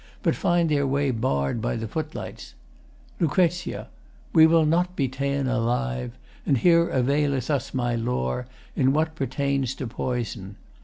but find their way barred by the footlights. LUC. We will not be ta'en Alive. And here availeth us my lore | In what pertains to poison.